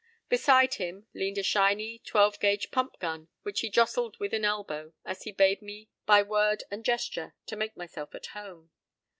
Beside him leaned a shiny, twelve gauge pump gun which he jostled with an elbow as he bade me by word and gesture to make myself at home.